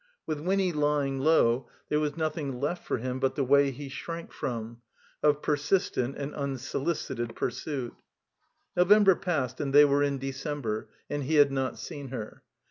With Winny lying low there was nothing left for him but the way he shrank from, of persistent and tmsoli cited pursuit. November passed and they were in December, and he had not seen her.